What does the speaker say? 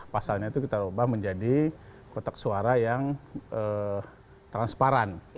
pasalnya itu kita ubah menjadi kotak suara yang transparan